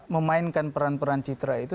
memainkan peran peran citra itu